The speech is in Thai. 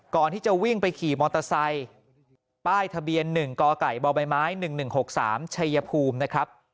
ก่อนที่จะวิ่งไปขี่มอเตอร์ไซต์ป้ายทะเบียน๑กกบม๑๑๖๓ชัยภูมิ